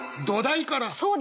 土台から。